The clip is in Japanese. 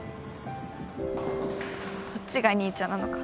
どっちが兄ちゃんなのか